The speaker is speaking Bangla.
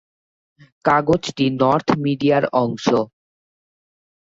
কাগজটি নর্থ মিডিয়ার অংশ।